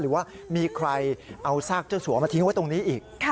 หรือว่ามีใครเอาซากเจ้าสัวมาทิ้งไว้ตรงนี้อีก